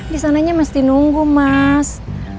di sananya mesti nunggu mas